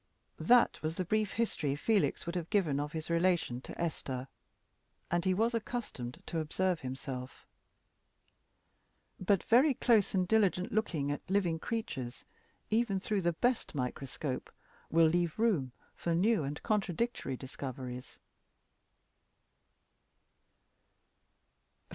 That was the brief history Felix would have given of his relation to Esther. And he was accustomed to observe himself. But very close and diligent looking at living creatures, even through the best microscope, will leave room for new and contradictory discoveries.